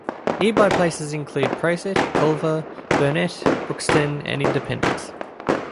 Nearby places include Prosit, Culver, Burnett, Brookston, and Independence.